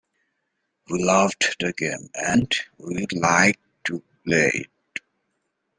We loved the game and we liked to play it.